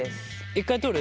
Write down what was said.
１回取る？